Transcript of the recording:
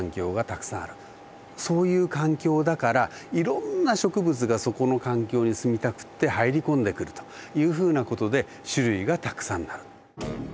そういう環境だからいろんな植物がそこの環境に住みたくて入り込んでくるというふうな事で種類がたくさんある。